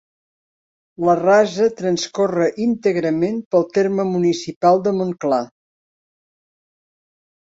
La rasa transcorre íntegrament pel terme municipal de Montclar.